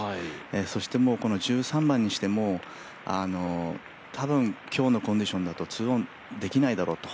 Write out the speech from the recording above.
そして１３番にしても多分今日のコンディションだと２オンできないだろうと。